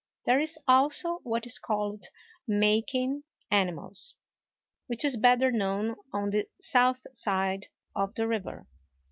There is also what is called "making animals," which is better known on the south side of the River.